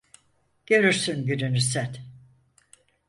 Görürsün gününü sen!